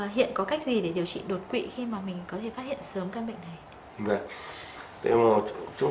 hiện có cách gì để điều trị đột quỵ khi mà mình có thể phát hiện sớm căn bệnh này